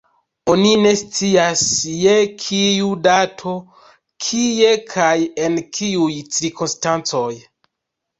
Oni ne scias je kiu dato, kie kaj en kiuj cirkonstancoj.